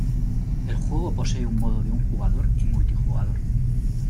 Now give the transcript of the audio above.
El juego posee un modo de un jugador y multijugador.